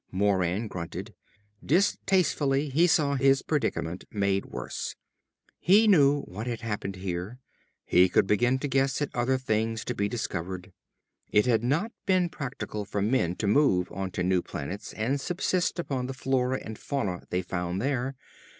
_" Moran grunted. Distastefully, he saw his predicament made worse. He knew what had happened here. He could begin to guess at other things to be discovered. It had not been practical for men to move onto new planets and subsist upon the flora and fauna they found there.